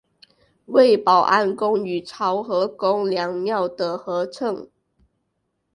为保安宫与潮和宫两庙的合称。